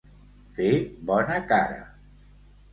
Fer bona cara.